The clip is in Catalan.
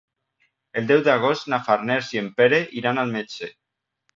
El deu d'agost na Farners i en Pere iran al metge.